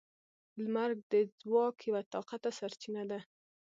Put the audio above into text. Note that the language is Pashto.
• لمر د ځواک یوه طاقته سرچینه ده.